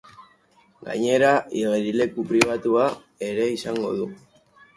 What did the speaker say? Gainera, igerileku pribatua ere izango du.